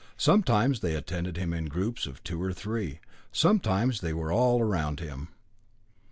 Sometimes they attended him in groups of two or three; sometimes they were all around him.